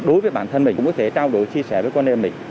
đối với bản thân mình cũng có thể trao đổi chia sẻ với con em mình